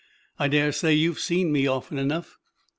I dare say you've seen me often enough."